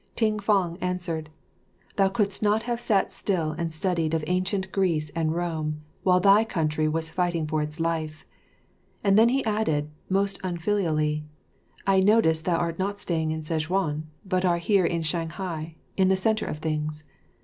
Ting fang answered, "Thou couldst not have sat still and studied of ancient Greece and Rome while thy country was fighting for its life;" and then he added, most unfilially, "I notice thou art not staying in Sezchuan, but art here in Shanghai, in the centre of things.